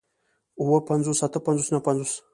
اووه پنځوس اتۀ پنځوس نهه پنځوس